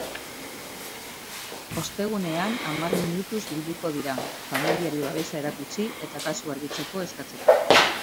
Ostegunean hamar minutuz bilduko dira, familiari babesa erakutsi eta kasua argitzeko eskatzeko.